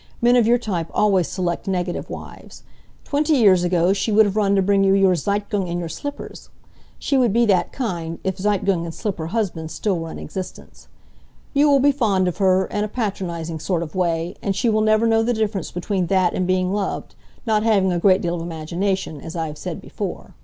Men of your type always select negative wives. Twenty years ago she would have run to bring you your Zeitung and your slippers. She would be that kind, if Zeitung and slipper husbands still were in existence. You will be fond of her, in a patronizing sort of way, and she will never know the difference between that and being loved, not having a great deal of imagination, as I have said before.